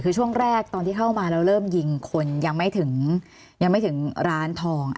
คือช่วงแรกตอนที่เข้ามาแล้วเริ่มยิงคนยังไม่ถึงยังไม่ถึงร้านทอง